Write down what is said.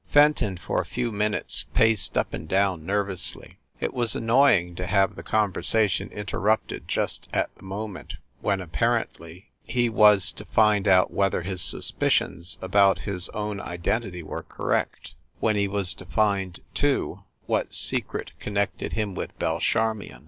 Fenton, for a few minutes paced up and down nervously. It was annoying to have the conversa tion interrupted just at the moment when, appar ently, he was to find out whether his suspicions about his own identity were correct, when he was to find, too, what secret connected him with Belle Charmion.